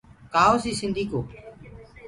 ڪآ هوسيٚ سنڌي ڪو